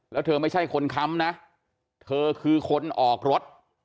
แล้วเธอไม่ใช่คนค้ำนะเธอคือคนออกรถ